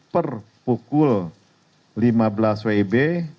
per pukul lima belas wib